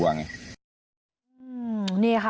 กลีบกันมากต้องกลัว